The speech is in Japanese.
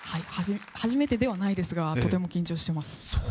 初めてではないですが、とても緊張しています。